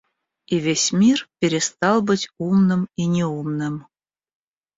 И весь мир перестал быть умным и неумным.